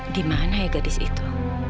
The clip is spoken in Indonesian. dimana ya gadis itu